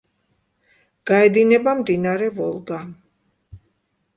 გაედინება მდინარე ვოლგა.